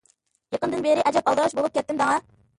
يېقىندىن بېرى ئەجەب ئالدىراش بولۇپ كەتتىم دەڭا.